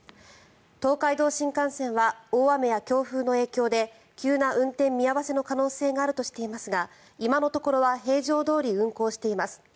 東海道新幹線は大雨や強風の影響で急な運転見合わせの可能性があるとしていますが今のところは平常どおり運行しています。